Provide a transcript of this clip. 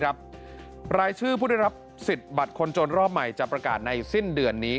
รายชื่อผู้ได้รับสิทธิ์บัตรคนจนรอบใหม่จะประกาศในสิ้นเดือนนี้